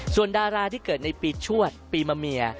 ส่วนดาราที่เกิดในปีชวดปีมะเมีย